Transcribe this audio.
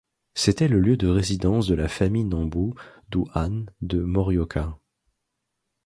C'était le lieu de résidence de la famille Nanbu du han de Morioka.